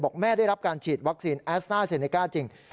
แม่ได้รับการฉีดวัคซีนแอสต้าเซเนก้าจริง